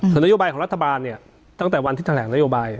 ส่วนนโยบายของรัฐบาลเนี่ยตั้งแต่วันที่แถลงนโยบาย